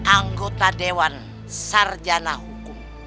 anggota dewan sarjana hukum